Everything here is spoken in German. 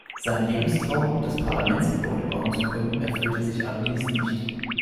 Seinen Lebenstraum, das Parlamentsgebäude bauen zu können, erfüllte sich allerdings nicht.